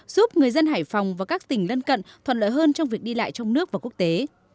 giúp người dân hải phòng và các tỉnh lân cận thuận lợi hơn trong việc đi lại trong nước và quốc tế